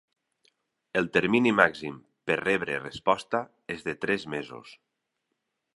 El termini màxim per rebre resposta és de tres mesos.